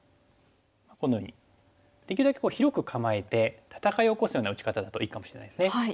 このようにできるだけ広く構えて戦いを起こすような打ち方だといいかもしれないですね。